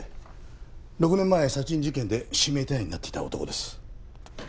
６年前殺人事件で指名手配になっていた男です。